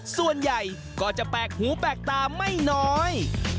ส่วนใหญ่ก็จะแปลกหูแปลกตาไม่น้อย